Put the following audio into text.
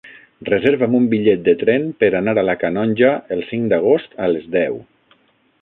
Reserva'm un bitllet de tren per anar a la Canonja el cinc d'agost a les deu.